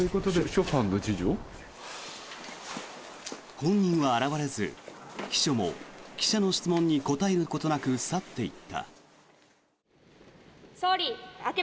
本人は現れず秘書も記者の質問に答えることなく去っていった。